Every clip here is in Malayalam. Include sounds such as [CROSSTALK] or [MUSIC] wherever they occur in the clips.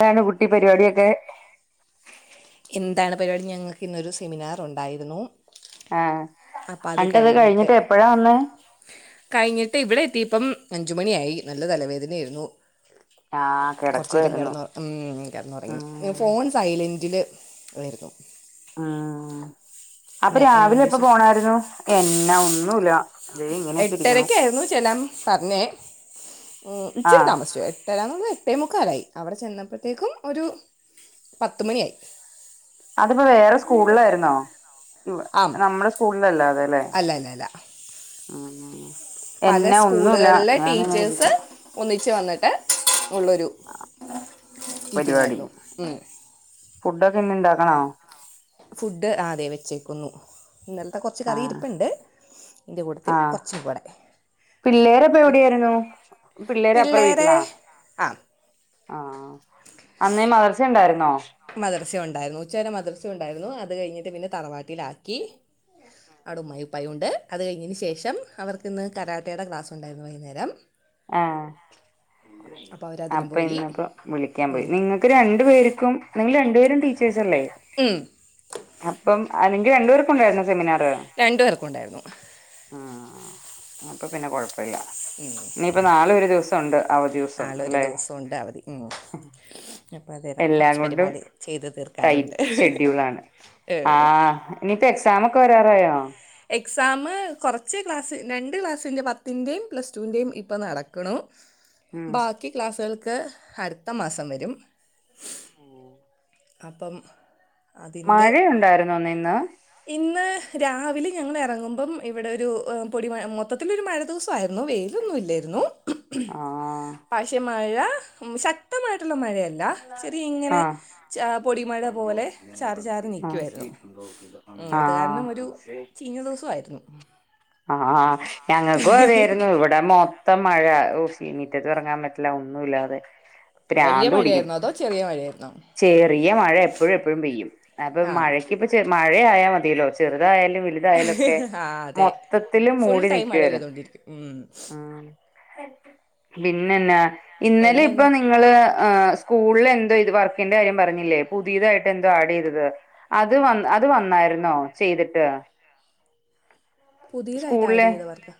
എന്താണ് കുട്ടി പരിപാടിയൊക്കെ. എന്താണ് പരിപാടി ഞങ്ങൾക്കിന്നൊരു സെമിനാറുണ്ടായിരുന്നു. ആഹ് എന്നിട്ടത് കഴിഞ്ഞിട്ട് എപ്പഴാ വന്നെ കഴിഞ്ഞിട്ട് ഇവിടെ എത്തിയപ്പം അഞ്ചുമണിയായി നല്ല തലവേദനയായിരുന്നു. ആഹ് കൊറച്ച് നേരം കിടക്കുവായിരുന്നു കെടന്ന് ഉം കെടൊന്നൊറങ്ങി ഉം മ് ഫോൺ. സൈലന്റില് [UNINTELLIGIBLE] ആഹ് അപ്പൊ രാവിലെ എന്നോട് എപ്പൊ ചോദിച്ചു പോണാരുന്നു എന്നാ ഒന്നൂല്ല എട്ടരക്ക് ആയിരുന്നു ചെല്ലാൻ പറഞ്ഞെ ഇച്ചിരി ആഹ് താമസിച്ച് പോയി എട്ടരാന്ന് പറഞ്ഞാ എട്ടേ മുക്കാലായി അവിടെ ചെന്നപ്പോത്തേക്കും ഒരു പത്തുമണിയായി. അതിപ്പൊ വേറെ സ്കൂളിലാരുന്നോ മ്. അം. നമ്മളെ സ്കൂളിലല്ലാതെ ലെ മ്സ്. പല എന്നാ ഒന്നൂല്ല സ്കൂളുകളിലെ ഞാനിങ്ങനെ ടീച്ചേഴ്സ് ഇരിക്കുണ്. ഒന്നിച്ച് വന്നിട്ട് ഉള്ളൊരു. ആഹ് മീറ്റിംഗ് പരിവാടി ആയിരുന്നു ഉം. ഫുഡ്ഡൊക്കെ ഇന്ന് ഇണ്ടാക്കണോ. ഫുഡ് ആഹ് ദേ വെച്ചേക്കുന്നു. ഇന്നലത്തെ കൊറച്ച് ആഹ് കറിയിരിപ്പുണ്ട് അതിന്റെ കൂടത്തിൽ കൊറച്ചുംകൂടെ. പിള്ളേരപ്പൊ എവിടെ ആരുന്നു പിള്ളേര് അപ്പുറേ പിള്ളേരെ വീട്ടിലാ. ആ ആഹ് അന്നേ മദ്രസയുണ്ടായിരുന്നോ. മദ്രസയുണ്ടായിരുന്നു ഉച്ചവരെ മദ്രസയുണ്ടായിരുന്നു അത് കഴിഞ്ഞിട്ട് പിന്നെ തറവാട്ടിലാക്കി. അവിടെ ഉമ്മായും ഉപ്പായുമുണ്ട് അത് കഴിഞ്ഞതിനുശേഷം അവർക്കിന്ന് കരാട്ടേടെ ക്ലാസ്സുണ്ടായിരുന്നു വൈകുന്നേരം. ആഹ് അപ്പോൾ അവരതിനും അപ്പൊ പോയി ഇന്നപ്പോ വിളിക്കാൻ പോയി ഉം. നിങ്ങ ക്ക് രണ്ടു പേർക്കും നിങ്ങൾ രണ്ടുപേരും ടീച്ചേഴ്സ് അല്ലേ ഉം അപ്പം നിങ്ങക്ക് രണ്ടു പേർക്കുവുണ്ടായിരുന്നൊ സെമിനാർ. രണ്ടു പേർക്കും ഉണ്ടായിരുന്നു. ഉം അപ്പം പിന്നെ കൊഴപ്പവില്ല ഇനിയിപ്പം നാളെ ഒരു ദിവസം ഉണ്ട് അവധി ദിവസം നാളൊരു അല്ലെ ദിവസം ഉണ്ട് അവധി ഉം. അപ്പോൾ അത് എല്ലാം കുറച്ച് കൊണ്ടും പരിപാടി ചെയ്ത് ടൈറ്റ് തീർക്കാനുണ്ട് ഷെഡ്യൂളാണ്. ഏ. ആഹ് ഇനിയിപ്പോ എക്സാമ് ഒക്കെ വരാറായോ എക്സാമ് കൊറച്ച് ക്ലാസിന്റെ രണ്ട് ക്ലാസിന്റെ പത്തിന്റെയും പ്ലസ്റ്റുന്റെയും ഇപ്പം നടക്കുണ്. ഉം ബാക്കി ക്ലാസ്സുകൾക്ക് അടുത്ത മാസം വരും. ഉം അപ്പം അതിൻ്റെ. ഉണ്ടായിരുന്നോന്നെ ഇന്ന്. ഇന്ന് രാവിലെ ഞങ്ങളെറങ്ങുമ്പം ഇവിടെ ഒരു ഉം പൊടിമഴ മൊത്തത്തിലൊരു മഴ. ദിസായിരുന്നു വെയിലൊന്നും ഇല്ലേരുന്നു. ആഹ് പക്ഷെ മഴ ശക്തമായിട്ടുള്ള മഴയല്ല ചെറിയ ഇങ്ങനെ ആഹ് ച പൊടിമഴ പോലെ ചാറി ചാറി നിക്കുവായിരുന്നു ഇണ്ടോക്കീല ഉം അത് കാരണം ഒരു ചീഞ്ഞ ദിവസായിരുന്നു ആഹ് ഞങ്ങക്കും അതെയായിരുന്നു ഇവ ടെ മൊത്തം മഴ ഓ സീ മിറ്റത്തും എറങ്ങാൻ പറ്റില്ല ഒന്നുവില്ലാതെ വല്ല്യ മഴായിരുന്നോ അതോ ചെറിയ മഴയായിരുന്നോ ചെറിയ മഴ എപ്പഴും എപ്പഴും പെയ്യും അപ്പൊ ആഹ് മഴ ഇൻക്കിപ്പ ചെ മഴയായാ മതീലോ ചെറുതായാലും വലു ആഹ് തായാലൊക്കെ അതെ മൊത്തത്തില് ഫുൾ മൂടി ടൈം മഴ നിക്കുവായിര്ന്നു പെയ്തോണ്ടിരിക്കും ഉം ഉം പിന്നെന്നാ ഇന്നലെയിപ്പൊ എന്നെന്ന് നിങ്ങള് ആഹ് സ് കൂളിലെന്തോ ഇത് വർക്കിന്റെ കാര്യം പറഞ്ഞില്ലേ പുതിയതായിട്ടെന്തോ ആഡ് ചെയ്തത് അത് വന്ന് അത് വന്നായിരുന്നോ ചെയ്തിട്ട് പുതിയതായിട്ട് ആഡ് സ്കൂളിലെ ചെയ്ത വർക്കാ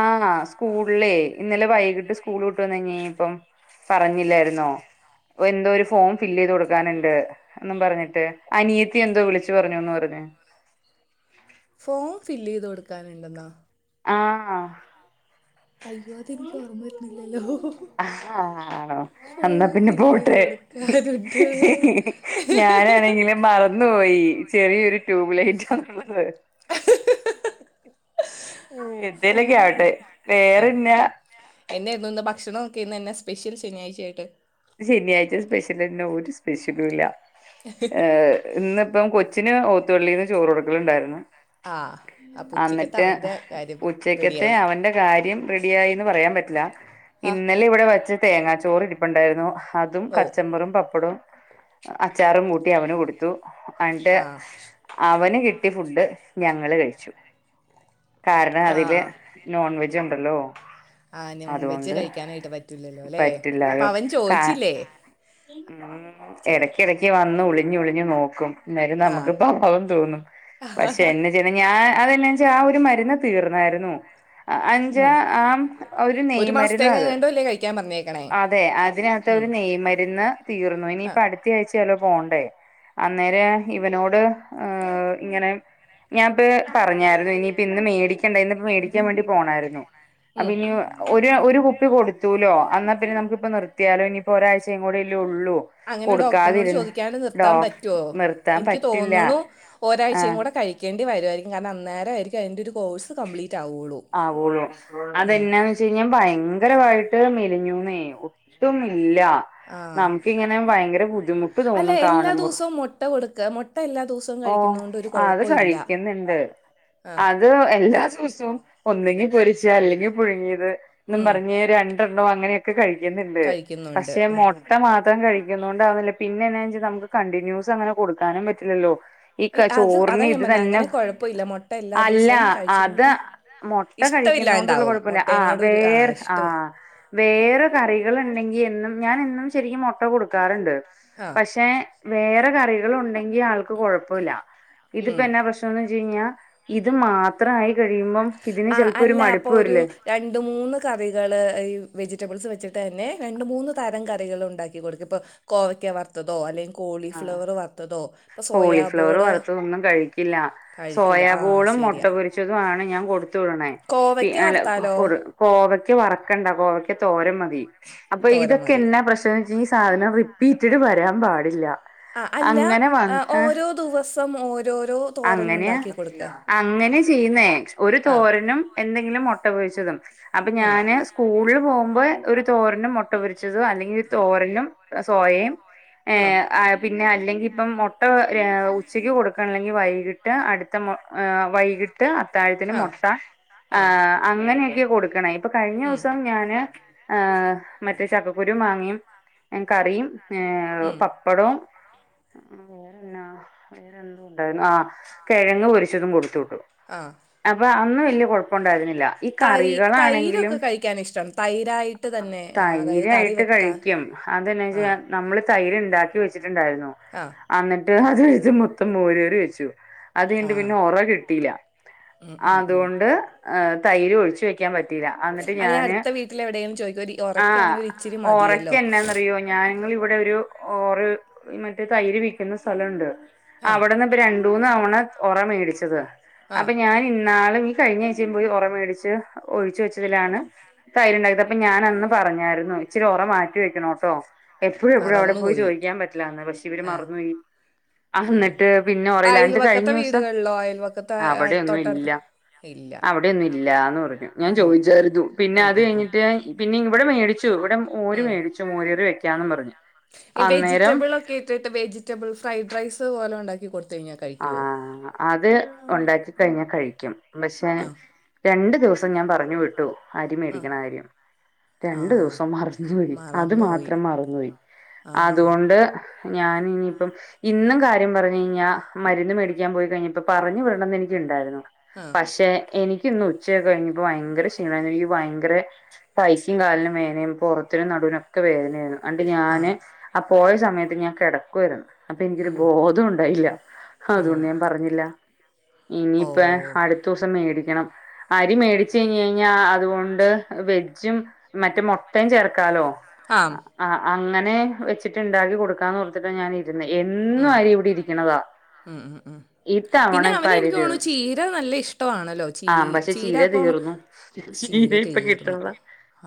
ആഹ് സ്കൂളിലെയ് ഇന്നലെ വൈകിട്ട് സ്കൂള് വിട്ട് വന്നുകയിഞ്ഞപ്പം പറഞ്ഞില്ലായിരുന്നോ എന്തോ ഒര് ഫോം ഫില്ല്ചെയ്ത് കൊടുക്കാനുണ്ട് എന്നും പറഞ്ഞിട്ട് അനിയത്തി എന്തോ വിളിച്ച് പറഞ്ഞൂന്ന് പറഞ്ഞ് ഫോം ഫില്ല് ചെയ്ത് കൊടുക്കാനുണ്ടന്നൊ ആഹ് അയ്യോ അതെനിക്ക് ഓർമ്മ വരുന്നില്ലാല്ലോ അഹ് ആണോ എന്നാ പിന്നെ ഫില്ല് ചെയ്ത് പോട്ടെ കൊടുക്കാനുണ്ട് ഞാനാണെങ്കില് മറ വന്ന് പോയി ചെറിയൊരു ട്യൂബ് ലൈറ്റാണുള്ളത് എന്തേലൊക്കെ ഫോം ആവട്ടെ വേറെന്നാ എന്നാരുന്നു ഇന്ന് ഭക്ഷണോക്കെ ഇന്നെന്നാ സ്പെഷ്യൽ ശനിയാഴ്ചയായിട്ട് ശനിയാഴ്ച സ്പെഷ്യലെന്നാ ഒര് സ്പെഷ്യലൂല്ല ഏഹ് ഇന്നിപ്പം കൊച്ചിന് ഓത്തുപള്ളീന്ന് ചോറ് കൊടുക്കലുണ്ടായിരുന്നു ആഹ് അപ്പൊ ഉച്ചക്കത്തെ അന്നിട്ട് അവൻ്റെ കാര്യം ഉച്ചക്കത്തെ റെഡിയായി അവന്റെ കാര്യം റെഡിയായീന്ന് പറയാൻ പ റ്റില്ല ആഹ് ഇന്ന ലെ ഇവിടെ വെച്ച തേങ്ങാച്ചോറിരുപ്പുണ്ടായിരുന്നു അതും ഓ കച്ചമ്പറും പപ്പടവും അച്ചാറും കൂട്ടി അവന് കൊടുത്തു എന്നിട്ട് ആഹ് അവന് കിട്ടി ഫുഡ് ഞങ്ങള് കഴിച്ചു കാരണം അതില് ആഹ് നോൺ വെജുണ്ടല്ലോ ആഹ് നോൺ വെജ് കഴിക്കാനായിട്ട് പറ്റില്ലല്ലോല്ലെ പറ്റില്ലായോ അപ്പവൻ കാ ചോയ്ച്ചില്ലേ ഉം എടക്കെടക്ക് വന്ന് ഒളിഞ്ഞൊളിഞ്ഞ് നോക്കും എന്നേരം ആ നമക്ക് പാവം തോന്നും പക്ഷെന്നെ പിന്നെ ഞാൻ അതെന്നാെച്ചാ ആഹ് ഒര് മരുന്ന് തീർന്നാര്ന്നു അഞ്ച ആം ഒരു നെയ്മരുന്നാ മാസത്തേക്ക് അത് എങ്ങാണ്ടോ അല്ലേ കഴിക്കാൻ പറഞ്ഞേക്കണേ അതെ ഇതിനാത്തെ ഒര് നെയ്മരുന്ന് തീർന്നു ആ ഇനിയിപ്പോ അടുത്തായ്ച്ച ആല്ലോ പോണ്ടേ അന്നേരം ഇവനോട് ഏഹ് ഇങ്ങനെ ഞാൻപ്പ പറഞ്ഞാര്ന്നു ഇനിയിപ്പിന്ന് മേടിക്കണ്ട ഇന്നിപ്പ മേടി ക്കാൻ വേണ്ടി പോണാരുന്നു ഉം. അപ്പൊനി ഒര് ഒര് കുപ്പി കൊട്ത്തൂലോ അന്നാ പിന്നെ നമക്കിപ്പ നിർ ത്തിയാലൊ ഇനിപ്പൊ ഒരായ്ചേം കൂടല്ലെ ഒള്ളൂ അങ്ങനെ ഡോക്ടർനോട് ചോദിക്കാണ്ട് നിർത്താൻ പറ്റോ നിർത്താൻ എനിക്ക് പറ്റില്ല തോന്ന്ണു ഒരാഴ്ചേം ആഹ് കൂടെ കഴി ക്കേണ്ടി വരുവായിരിക്കും കാരണം അന്നേരായിരിക്കും അയ്ൻ്റൊരു കോഴ്സ് കംപ്ലീറ്റ് ആവൂളൂ ആവൂള്ളു അതെന്നാന്ന് വെ വെച്ചെയ്നാ ഭയ്ങ്കരവായിട്ട് മെലിഞ്ഞൂന്നേ ഒട്ടുമില്ല ആ നമ് ക്കിങ്ങനെ ഭയങ്കര ബുദ്ധിമുട്ട് അല്ല തോന്നും എല്ലാ കാണുമ്പൊ ദിവസവും മുട്ട കൊടുക്ക് മൊട്ട എല്ലാ ദിവസ ഓ അത് കഴിക്കുന്ന്ണ്ട് ആ അത് അത് എല്ലാ ദിവസവും ഒന്നെങ്കി പൊരിച്ച് അല്ലെങ്കിൽ പുഴുങ്ങിയത് എന്നും ഉം. പറഞ്ഞ് രണ്ട്. ണ്ടോ അങ്ങനെയൊക്കെ കഴിക്കുന്നുണ്ട് കഴിക്കുന്നുണ്ട് പക്ഷെ ആ മൊ ഇ മാത്രം കഴിക്കുന്നുകണ്ടാവുന്നില്ല പിന്നെന്നാ വെച്ചാൽ നമുക്ക് കണ്ടിന്യൂസ് അങ്ങനെ കൊടുക്കാനും പറ്റില്ലല്ലോ ഈ ക ഇ- അത് അതാ ചോറിന് ഞാൻ ഇത് പറഞ്ഞത് തന്നെ അങ്ങനെ കുഴപ്പമില്ല മുട്ട എല്ലാ അല്ല ദിവസവും കഴിച്ചു അത് ആ മുട്ട കഴിക്കുന്ന കൊണ്ടുള്ള ഇഷ്ടമില്ലാണ്ടാവും കുഴപ്പില്ല ആഹ് മുട്ടേനോട് ഒരു ആ വേർ ഇഷ്ടം ആഹ് വേറെ കറികൾ ഉണ്ടെങ്കി എന്നും ഞാൻ എന്നും ശരിക്കും മുട്ട കൊടുക്കാറുണ്ട് ആ പക്ഷെ വേറെ കറികൾ ഉണ്ടെങ്കി ആൾക്ക് കൊഴപ്പമില്ല ഇതിപ്പൊ ഉം. എന്നാ പ്രശ് നം വെച്ച് കഴിഞ്ഞാൽ ഇത് മാത്രമായി കഴിയുമ്പം ഇതിന് ആ ചിലപ്പോ ഒരു അല്ല മടുപ്പ് അപ്പോൾ ഒരു വരില്ലേ. രണ്ട് മൂന്ന് കറികൾ ഈ വെജിറ്റബിൾസ് വെച്ചിട്ട് തന്നെ രണ്ട് മൂന്ന് തരം കറികൾ ഉണ്ടാക്കി കൊടുക്ക് ഇപ്പോൾ. കോവയ്ക്ക വറത്തതോ അല്ലെങ്കി ആഹ് കോളിഫ്ലവർ വറത്തതോ ഇപ്പൊ കോളിഫ്ലവർ സോയാബോള് വറുത്തത് ഒന്നും കഴിക്കില്ല കഴിക്കില്ല ആ സോയാബോളും മുട്ട ശരിയാ പൊരിച്ചതും ആണ് ഞാൻ കൊടുത്തു വിടണേ പി കോവയ്ക്ക അല്ല വറുത്താലോ കൊടു കോവയ്ക്ക് വറക്കണ്ട കോവയ്ക്ക് തോരൻ മതി അപ്പൊ തോരൻ ഇതൊക്കെ മതി എന്നാ പ്രശ്നം എന്ന് വെച്ചാ ഈ സാധനം റിപ്പീറ്റഡ് വരാൻ പാടില്ല ആഹ് അല്ല അങ്ങനെ വന്ന് ഓരോ ദിവസം ഓരോരോ തോരൻ അങ്ങനെയാ ഉണ്ടാക്കി കൊടുക്കുക അങ്ങനെ ചെയ്യുന്നേ ഒരു ആഹ് തോരനും എന്തെങ്കിലും മുട്ടപൊരിച്ചതും അപ്പൊ ഉം ഞാന് സ്കൂളിൽ പോകുമ്പോ ഒരു തോരനും മുട്ടപൊരിച്ചത് അല്ലെങ്കിൽ ഒരു തോരനും സോയയും. ഉം ഏഹ് പിന്നെ അല്ലെങ്കിൽ ഇപ്പം മുട്ട ഉച്ചയ്ക്ക് കൊടുക്കണെ വൈകിട്ട് അടുത്ത ഇട്ട് മൊ വൈകിട്ട് അത്താഴത്തിന് ആഹ് മൊട്ട ആഹ് അങ്ങനെയൊക്കെയാ കൊടുക്കണെ ഇപ്പൊ കഴിഞ്ഞ ദിവസം ഞാന് ആഹ് മറ്റേ ചക്കക്കുരു മിങ്ങയും കറിയും ഉം പ പ്പടോം വേറെ എന്നാ വേറെ എന്തുവാ ഉണ്ടായിരുന്നു ആഹാ കിഴങ്ങ് പൊരിച്ചതും കൊടുത്തുവിട്ടു ആഹ് അപ്പൊ അന്ന് വലിയ കുഴപ്പുണ്ടായിരു ന്നില്ല ഈ തൈ കറികളാണെങ്കിലും തൈരൊക്കെ കഴിക്കാൻ ഇഷ്ടമാണ് തൈരായിട്ട് തന്നെ അതായത് കറി തൈരായിട്ട് കഴി വെക്കാൻ ക്കും അതെന്നാ വെച്ചാ ആഹ് നമ്മള് തൈര് ഉണ്ടാക്കി വച്ചിട്ടുണ്ടായിരുന്നു ആഹ് എന്നിട്ട് അതും ഇതും മൊത്തം മോര് കറി വെച്ചു അത് കഴിഞ്ഞിട്ടു ആഹ് പിന്നെ ഉറ കിട്ടിയില്ല ഉം ഉം ഉം അതുകൊണ്ട് തൈര് ഒഴിച്ചു വെക്കാൻ പ [UNINTELLIGIBLE] എന്നിട്ട് അല്ലെ ഞാന് അടുത്ത വീട്ടിൽ എവിടെയും ചോദിക്കും ഒരു ആ ഒറക്കാണെങ്കിൽ ഒരു ഇച്ചിരി [INAUDIBLE] മതിയല്ലോ ഞ ഇവിടെ മറ്റ തൈര് വിൽക്കുന്ന സ്ഥലുണ്ട് ആഹ് അവി രണ്ട മൂന്ന് തവണ ഉറ മേടിച്ചത് ആഹ് അപ്പൊ ഞാൻ ഇന്നാളും കഴിഞ്ഞ ആഴ്ച്ചേംപോയി ഉറമേടിച്ച് ഒഴിച്ച് വെച്ചതിലാണ് തൈര്ണ്ടായത് അപ്പൊ ഞാൻ അന്ന് പറഞ്ഞായിരുന്നു ഇച്ചിരി റ മാറ്റി വെക്കണോട്ടോ എപ്പോഴും എപ്പോഴും അവിടെ പോയി ചോദിക്കാൻ പറ്റില്ലന്ന് പക്ഷെ ഇവര് ആഹ് മറന്ന് ആഹ് പോയി പിന്നെ ഉറയില്ലാണ്ട് കഴിഞ്ഞ അയൽവക്കത്തെ ദിവസം വീടുകളിലോ അയൽവക്കത്തെ അവിടെൊന്നും ഇല്ല അടുത്തോട്ടടുത്ത് ഇല്ല അവിടെൊന്നും ഇല്ലന്ന് പറഞ്ഞു ഞാൻ ചോദിച്ചരുന്നു പിന്നെ ഉം അത് ഉം ഉം കഴിഞ്ഞിട്ട് പിന്നെ ഇവിടെ മേടിച്ചു ഇവിടെ ഓര് ഉം മേടിച്ചു മോര് കറി വെക്കാന്ന് പറഞ്ഞു ഈ അന്നേരം വെജിറ്റബിൾ ഒക്കെ ഇട്ടിട്ട് വെജിറ്റബിൾ ഫ്രൈഡ് റൈസ് പോലെ ഉണ്ടാക്കി കൊടുത്ത കഴിഞ്ഞാ ആഹ അത് ഉണ്ടാക്കി കഴിഞ്ഞാ കഴിക്കും പക്ഷെ ആ രണ്ടു ദിവസം ഞാൻ പറഞ്ഞു വിട്ടു അരി ആ മേടിക്കണ കാര്യം ആ രണ്ടു ദിവസം മറന്നുപോയി അത് മറന്നുപോയി മാത്രം മറന്നുപോയി ആ അതുകൊണ്ട് ഞാന ഇനിയിപ്പം ഇന്നും കാര്യം പറഞ്ഞു കഴിഞ്ഞാ മരുന്ന് മേടിക്കാൻ പോയി കഴിഞ്ഞപ്പൊ പറഞ്ഞു വിടണംന്ന് എനക്ക്ണ്ടായിരുന്നു ആ പക്ഷെ എനിക്കിന്ന് ഉച്ചയക്ക കഴിഞ്ഞപ്പോ ഭയങ്കര ക്ഷീണമായി ഈ ഭയങ്കര പൈസയും കാലിനും വേനയും പുറത്തിനും നടുവിനോക്കെ വേദനയാണ് അണ്ട് ആ ഞാന് ആ പോയ സമയത്ത് ഞാൻ കിടക്കുമായിരുന്നു അപ്പൊ എനിക്കൊരു ഉം ബോധം ഉണ്ടായില്ല ഉം അതുകൊണ്ട് ഞാൻ പറഞ്ഞില്ല ഓ ഇനിയിപ്പ അടുത്ത ദിവസം മേടിക്കണം അരി മേടച്ച് കഴിഞ്ഞ് കഴിഞ്ഞാ അതുകൊണ്ട് വെജും മറ്റേ മുട്ടയും ചേർക്കാലോ ആ ആഹ് അങ്ങനെ വെച്ചിട്ട് ഉണ്ടാക്കി കൊടുക്കാന്ന് ഓർത്തിട്ടാ ഞാന് എന്നും ഉം അരി ഇവിടെ ഇരിക്കണതാ ഉം ഉം ഇത്തവണ പിന്നെ ഇപ്പ അവന് അരി എനിക്ക് തോണു തീർന്നു ചീര നല്ല ഇഷ്ടണല്ലോ ആ പക്ഷെ ചീര തീർന്നു ചീര ഇപ്പ കിട്ടണീല്ല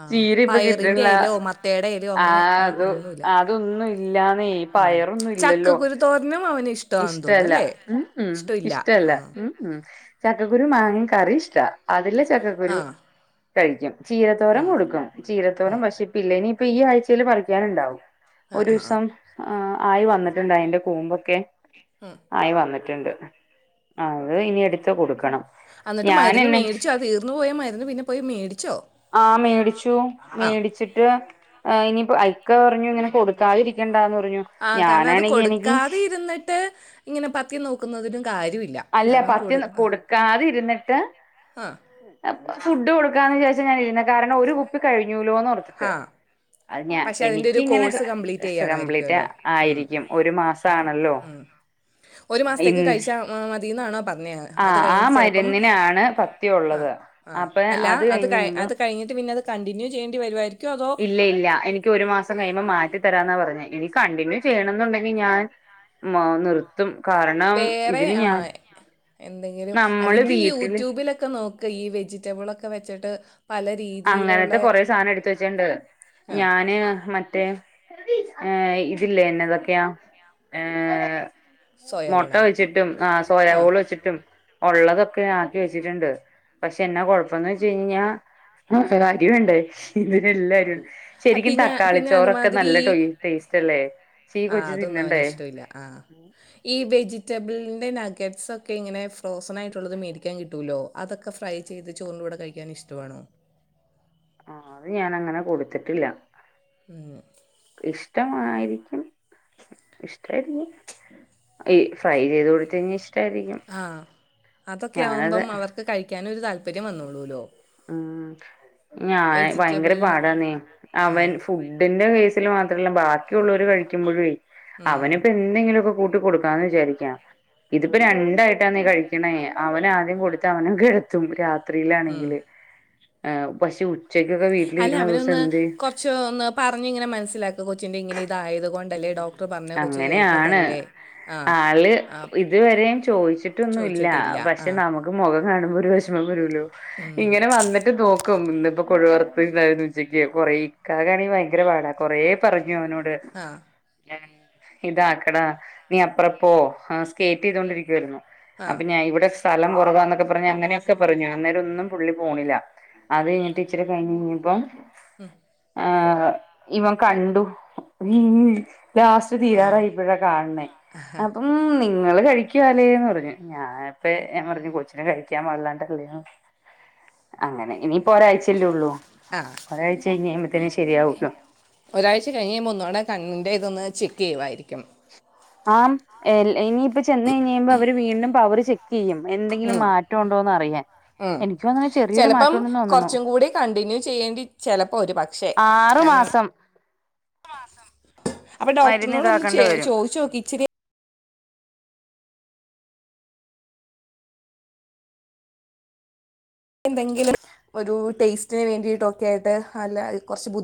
ആ ചീര ഇപ്പൊ പയറിൻ്റെ കിട്ടണീല്ല ഇലയോ മത്തയുടെ ഇലയോ ആ അങ്ങനെ ഒന്നും- അത് ഒന്നുമില്ല അതൊന്നും ഇല്ലാന്നെ ഉം. പയറൊന്നും ഇല്ലല്ലോ ചക്കക്കുരു തോരനും അവന് ഇഷ് ഇഷ്ട്ടല്ല ഉം ഉം ഇഷ്ട്ടല്ല ആ ഉം ഉം ചക്കക്കുരു മാങ്ങയും കറി ഇഷ്ടാ അതിലെ ആ ചക്കക്കുരു കഴിക്കും ചീരത്തോരം കൊടുക്കും ചീരത്തോരം പക്ഷേ പില്ലേനി ഇപ്പ ഈ ആഴ്ചല്‌ പറിക്കാനുണ്ടാവും ആ ഒരു ആ ആ. ദിവസം ആയി വന്നിട്ടുണ്ട് അയിന്റെ കൂമ്പൊക്കെ ഉം ആയി വന്നിട്ടുണ്ട് അത് ഇനി എടുത്ത് കൊടുക്കണം അന്നിട്ട് മരുന്ന് ഞാനെന്നെ മേടിച്ചോ അ തീർന്നു പോയ മരുന്ന് പിന്നെ പോയി മേടിച്ചോ ആഹ് മേടിച്ചു ആ മേടിച്ചിട്ട് ഇനിയിപ്പ ഐക്ക പറഞ്ഞു ഇങ്ങനെ കൊടുക്കാതിരിക്കണ്ടാന്ന് പറഞ്ഞു ഞാനാണെങ്കി എനിക്ക് ട്ടേ ഇങ്ങനെ പത്തിം നോക്കുന്നതിനും കാര്യവില്ല അല്ല പത്തി ന കൊടുക്കാതിരുന്നിട്ട് ആ ആ ഫുഡ് കൊടുക്കാന്ന് വിചാരിച്ച ഞാനിരുന്ന കാരണം ഒരു കുപ്പി കഴിഞ്ഞൂലോന്ന്ർത്തിട്ട് ആ അത് ഞാ പക്ഷെ അതിന്റെ ഒരു എനിക്കിങ്ങനെത് കോഴ്സ് കംപ്ലീറ്റ് സ കംപ്ലീറ്റ് ആ ചെയ്യാണായിരിക്കുമല്ലോ ഉം. ആയിരിക്കും ഒരു മാസ ആണല്ലോ ഒരു മാസത്തേക്ക് കഴിച്ചാ മതിന്നാണോ പറഞ്ഞെ ആ അത് ആ കഴിഞ്ഞിട്ട് ചിലപ്പം ആ മരുന്നിനാണ് മരുന്നില്ലാണ് പത്ത്യം [INAUDIBLE] ആ ഉള്ളത് ആ അപ്പൊ അല്ല അത് കഴിഞ്ഞ് കഴിയുമ്പോ അത് കഴിഞ്ഞിട്ട് പിന്നെത് കണ്ടിന്യൂ ചെയ്യേണ്ടി വരുവായിരി ഇല്ല ഇല്ല എനി ഒരു മാസം കഴിയുമ്പോ മാറ്റി തരാന്നാ പറഞ്ഞ ഇനി കണ്ടിന്യൂ ചെയ്യണം എന്നുണ്ടെങ്കിൽ ഞാൻ മാ നിർ തും കാരണ വേറെ ആ എന്തെങ്കിലും നമ്മള് അല്ലെങ്കിൽ വീട്ടില് യൂട്യൂബിലൊക്കെ നോ ക്കെ ഈ വെജിറ്റബിൾ ഒക്കെ വെച്ചിട്ട് പല രീതിയിലുള്ള അങ്ങനത്തെ കൊറെ സാധനം എടുത്ത് വെച്ചിയ്ണ്ട് ആ ഞാന് മറ്റേ ഏ ഇതില്ലേ എന്നതൊക്കെയാ ഏ മൊട്ട സോയാബോളാ വെച്ചിട്ടും ആ സോയ ആ ഓള് വെച്ചിട്ടും ഉള്ളതൊക്കെ ആക്കി വെച്ചിട്ടുണ്ട് പക്ഷെ എന്നാ കുഴപ്പന്ന് വെച്ച് കഴിഞ്ഞാ ആ ഭാരാഗ്യവേണ്ടേ ഇതിനെല്ലരുംണ്ട് ആ, ശരിക്കും പിന്നെ തക്കാളി പിന്നെ ചോറൊക്കെ നല്ല ടേയ് ടേസ്റ്റ് അല്ലേ പക്ഷെ ഈ ആ കൊച്ച് അതൊന്നും അവന് തിന്നണ്ടേ ഇഷ്ടവില്ല ആ ഈ വെജിറ്റബിളിൻ്റെ നഗറ്റ്സ്സ്സൊക്കെ ഇങ്ങനെ ഫ്രോസൺ ആയിട്ടുള്ളത് മേടിക്കാൻ കിട്ടുല്ലോ അതൊക്കെ ഫ്രൈ ചെയ്ത് ചോറിന്റെ കൂടെ കഴിക്കാൻ ഇഷ്ടവാണോ ആ അത് ഞാൻ അങ്ങനെ കൊടുത്ത്ട്ടില്ല ഏ ഇഷ്ടമായിരിക്കും ഇഷ്ടായിരിക്കും ഈ ഫ്രൈ ചെയ്ത് കൊടുത്ത കഴിഞ്ഞ ഇഷ്ടായിരിക്കും ആ അതൊക്കെ ഞാനത് ആവുമ്പം അവർക്ക് കഴിക്കാന് ഒരു താല്പര്യം വന്നോളൂല്ലോ ഉം ഞാൻ ഭയങ്കര വെജിറ്റബിൾ പാടാന്നെ ആ അവൻ ഫുഡിന്റെ വേസ് ത്തില് മാത്രവല്ല ബക്കിയുള്ളവർ കഴിക്കുമ്പഴയ് ഉം അവനിപ്പോ എന്നെങ്ങനെ കൂട്ടികൊടു താണ്‌ വിചാരിക്കാ ഇതിപ്പോ രണ്ടായിട്ടാന്നെ കഴിക്കണേ അവന് ആദ്യം കൊടുത്ത് അവനെ കിടത്തും രാത് ഉം ത്രിലാണെങ്കില് ആഹ് പക്ഷേ ഉച്ചക്കൊക്കെ വീട്ടിലിരിക്കണ ദിവസം എന്തെയ്യ് ച്ചൊ ഒന്ന് പറഞ്ഞു ഇങ്ങനെ മനസ്സിലാക്ക കൊച്ചിന്റെ ഇങ്ങനെ ഇതായത് കൊ അങ്ങനെയാണ് ആ ആള് ആ ഇതുവരെയും ചോദിച്ച് ട്ടൊന്നുല്ല ചോദിച്ചിട്ടില്ല ആ പക്ഷെ നമുക് മുഖം കാണുമ്പോ ഒരു വിഷമം വരുല്ലോ ഉം. ഇങ്ങനെ വന്നട്ട് നോക്കും ഇന്നിപ്പോ കൊഴുവർ ന്തായന്ന് ഉച്ചക്ക് കൊറെേക്ക കാണ ഭയങ്കര പാടാ കൊറേ പറഞ്ഞു അവനോട് ആഹ് ഇതാക്കടാ നീ അപ്പറപ്പോ സ്കേറ്റ് യ്തോണ്ടിരിക്കുവായിരുന്നു ആ അപ്പൊ ഞാൻ ഇവിടെ സ്ഥലം കുറവാന്നൊക്കെ പറഞ്ഞ് അങ്ങനെയൊക്കെ പറഞ്ഞു അന്നേരൊന്നും പുള്ളി പോണില്ല അത് കഴിഞ്ഞിട്ടിച്ചിരി കഴിഞ്ഞയ്പ്പോ ഉം ആഹ് ഇവൻ കണ്ടു ലാസ്റ്റ് ആ തീരാറായിപ്പഴാ കാണ് ണേ അപ്പം നിങ്ങള് കഴിക്കാല്ലേന്ന് പറഞ്ഞു ഞാൻ പ്പ ഞാൻ പറഞ്ഞു കൊച്ചിനെ കഴിക്കാൻ പാടില്ലാട്ട് അങ്ങനെ ഇനി ഇപ്പ ഒരാഴ്ചല്ലേ ഉള്ളൂ ആ ഒരാഴ്ച കഴ്ഞ്ഞ് കഴുമ്പത്തേനും ശരിയാവുള്ളു ഒരാഴ്ച കഴിഞ്ഞയ്യുമ്പോ ഒന്നൂടെ കണ്ണിൻ്റെ ഇതൊന്ന് ചെക്കയ്യുമായിരിക്കും ആഹ് ഇനിയിപ്പ ചെന്ന് കഴിഞ്ഞ് കഴുമ്പോ അവര് വീണ്ടും പവറ് ചെക്ക് ചെയ്യും എന്തെങ്കിലും ഉം, മാറ്റം ഉണ്ടോന്ന് അറിയാൻ ഉം എനിക്ക് തോന്നണു ചെറിയൊരു ചെലപ്പം മാറ്റം ഉണ്ടെന്ന് തോന്നണു കൊർച്ചും കൂടി കണ്ടിന്യൂ ചെയ്യേണ്ടി ചെലപ്പോ ഒരു പ ആറ് മാസം അപ്പൊ മരുന്ന് ഡോക്ടറിനോട് ഒന്ന് ഇതാക്കേണ്ട വരും ചോയിച്ചോക്കി ഇച്ചിരി എന്തെങ്കിലും ഒരു ടേസ്റ്റിന് വേണ്ടിട്ടൊക്കെ ആയിട്ട് അല്ല കൊർച്ച്